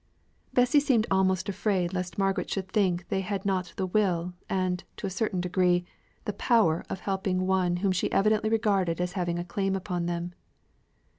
Bessy seemed almost afraid lest Margaret should think they had not the will, and, to a certain degree, the power of helping one whom she evidently regarded as having a claim upon them.